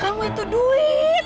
kamu itu duit